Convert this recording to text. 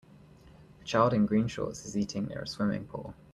A child in green shorts is eating near a swimming pool.